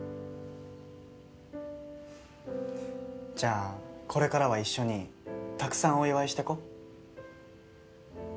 じゃあこれからは一緒にたくさんお祝いしてこ？